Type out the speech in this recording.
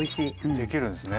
できるんですね。